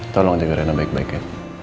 tolong jaga rena baik baik ya